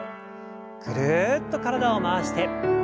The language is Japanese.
ぐるっと体を回して。